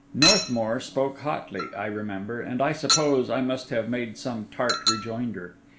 Northmour spoke hotly, I remember, and I suppose I must have made some tart rejoinder.